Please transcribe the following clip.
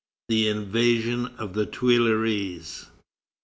THE INVASION OF THE TUILERIES.